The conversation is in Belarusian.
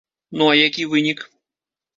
Ну а які вынік?